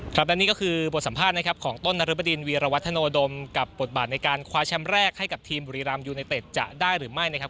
ครับและนี่ก็คือบทสัมภาษณ์นะครับของต้นนรบดินวีรวัฒโนดมกับบทบาทในการคว้าแชมป์แรกให้กับทีมบุรีรำยูไนเต็ดจะได้หรือไม่นะครับ